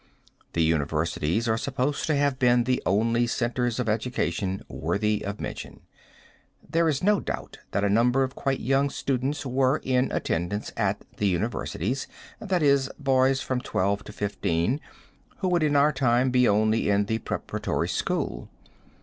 The universities are supposed to have been the only centers of education worthy of mention. There is no doubt that a number of quite young students were in attendance at the universities, that is, boys from 12 to 15 who would in our time be only in the preparatory school.